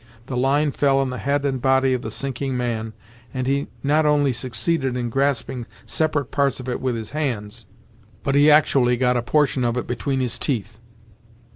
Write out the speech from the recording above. The line fell on the head and body of the sinking man and he not only succeeded in grasping separate parts of it with his hands, but he actually got a portion of it between his teeth.